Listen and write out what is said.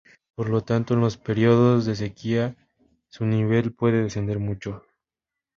Por lo tanto, en los períodos de sequía, su nivel puede descender mucho.